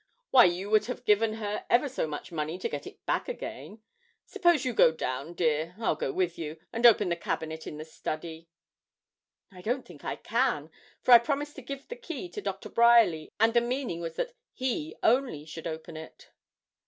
Why, you would have given her ever so much money to get it back again. Suppose you go down, dear I'll go with you, and open the cabinet in the study.' 'I don't think I can, for I promised to give the key to Dr. Bryerly, and the meaning was that he only should open it.'